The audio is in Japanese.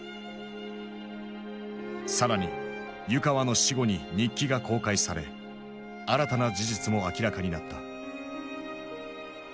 更に湯川の死後に日記が公開され新たな事実も明らかになった。